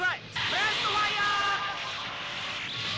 「ブレストファイヤー！」